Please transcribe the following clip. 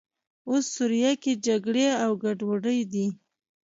اوس سوریه کې جګړې او ګډوډۍ دي.